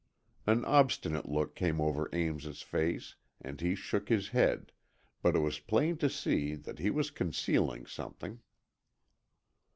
An obstinate look came over Ames's face, and he shook his head, but it was plain to be seen that he was concealing something.